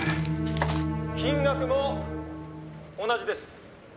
「金額も同じです。